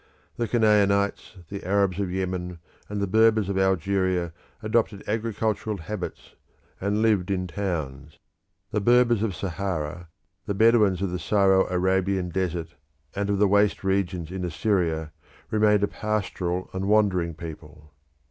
The Canaanites, the Arabs of Yemen, and the Berbers of Algeria adopted agricultural habits and lived in towns; the Berbers of Sahara, the Bedouins of the Syro Arabian desert and of the waste regions in Assyria, remained a pastoral and wandering people.